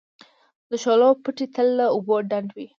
د شولو پټي تل له اوبو ډنډ وي.